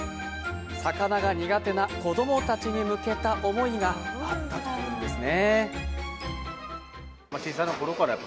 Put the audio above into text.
魚が苦手な子供たちに向けた思いがあったというんですね。